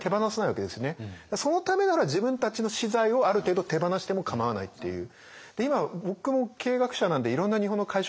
そのためなら自分たちの私財をある程度手放してもかまわないっていう。